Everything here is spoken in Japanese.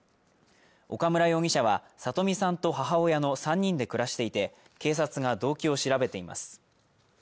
岡村容疑者は聡美さんと母親の３人で暮らしていて警察が動機を調べています